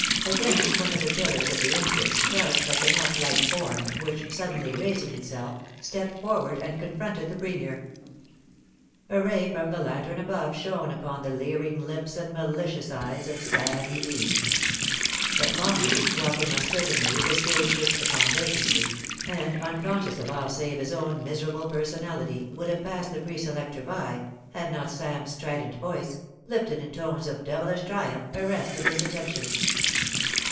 Against one of the pillars at the entrance crouched an elf like human form, which, suddenly raising itself, stepped forward and confronted the Premier. A ray from the lantern above shone upon the leering lips and malicious eyes of Sammy Deans \ but Longleat, walk ing uncertainly with his gaze fixed upon vacancy, and un conscious of all save his own miserable personality, would have passed the free selector by, had not Sam's strident voice, lifted in tones of devilish triumph, arrested his attention.